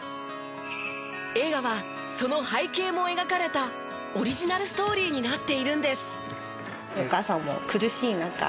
映画はその背景も描かれたオリジナルストーリーになっているんです。